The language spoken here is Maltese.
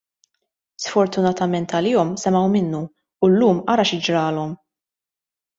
Sfortunatament għalihom semgħu minnu, u llum ara xi ġralhom!